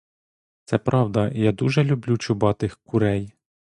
Це правда: я дуже люблю чубатих курей.